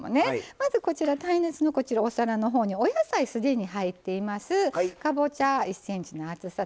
まずこちら耐熱のお皿のほうにお野菜既に入っています。